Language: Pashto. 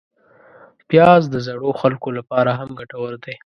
پیاز د زړو خلکو لپاره هم ګټور دی